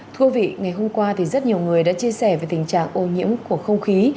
thưa quý vị ngày hôm qua thì rất nhiều người đã chia sẻ về tình trạng ô nhiễm của không khí